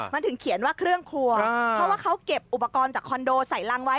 มันถึงเขียนว่าเครื่องครัวเพราะว่าเขาเก็บอุปกรณ์จากคอนโดใส่รังไว้